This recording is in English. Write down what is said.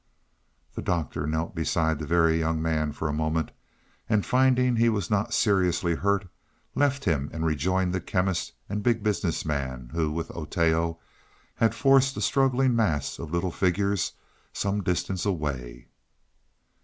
The Doctor knelt beside the Very Young Man for a moment, and, finding he was not seriously hurt, left him and rejoined the Chemist and Big Business Man, who, with Oteo, had forced the struggling mass of little figures some distance away.